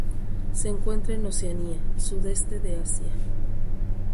Se encuentra en Oceanía, sudeste de Asia.